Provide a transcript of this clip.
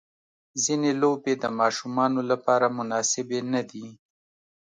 ځینې لوبې د ماشومانو لپاره مناسبې نه دي.